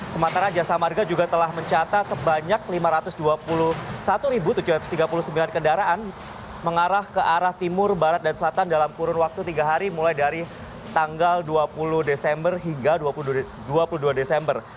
sementara jasa marga juga telah mencatat sebanyak lima ratus dua puluh satu tujuh ratus tiga puluh sembilan kendaraan mengarah ke arah timur barat dan selatan dalam kurun waktu tiga hari mulai dari tanggal dua puluh desember hingga dua puluh dua desember